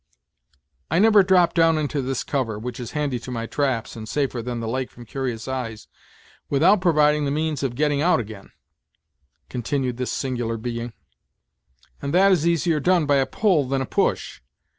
"I never drop down into this cover, which is handy to my traps, and safer than the lake from curious eyes, without providing the means of getting out ag'in," continued this singular being; "and that is easier done by a pull than a push.